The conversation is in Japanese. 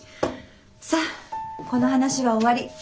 さっこの話は終わり。